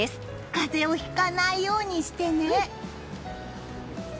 風邪をひかないようにしてね。